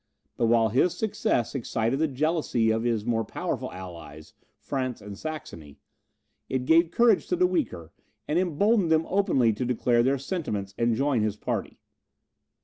But while his success excited the jealousy of his more powerful allies, France and Saxony, it gave courage to the weaker, and emboldened them openly to declare their sentiments and join his party.